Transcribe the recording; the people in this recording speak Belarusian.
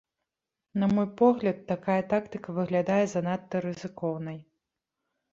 На мой погляд, такая тактыка выглядае занадта рызыкоўнай.